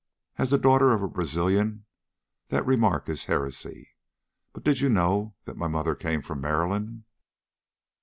As the daughter of a Brazilian, that remark is heresy. But did you know that my mother came from Maryland?"